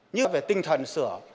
như về tinh thần sửa